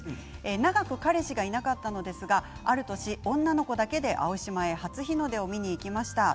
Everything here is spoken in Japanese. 長く彼氏がいなかったのですがある年、女の子だけで青島に初日の出を見に行きました。